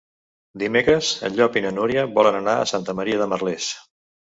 Dimecres en Llop i na Núria volen anar a Santa Maria de Merlès.